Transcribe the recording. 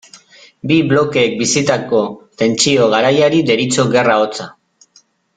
Bi blokeek bizitako tentsio garaiari deritzo Gerra hotza.